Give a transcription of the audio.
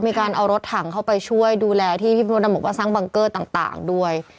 มีการเอารถถังเข้าไปช่วยดูแลที่พี่มดดำบอกว่าสร้างบังเกอร์ต่างด้วย